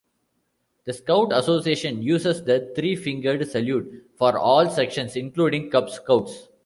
The Scout Association uses the three-fingered salute for all sections, including Cub Scouts.